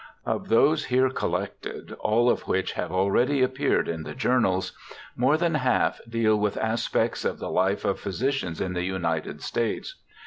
Of those here collected, all of which have already appeared in the journals, more than half deal with aspects of the life of physicians in the United States.